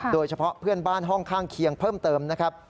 โดยเฉพาะเพื่อนบ้านห้องข้างเคียงเพิ่มเติมนะครับ